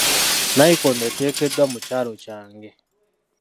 Nnayikondo eteekeddwa mu kyalo kyange.